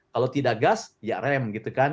kalau tidak gas ya rem gitu kan